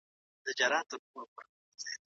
د طبيعي علومو پايلې دقيقې او کچ کېدونکې دي.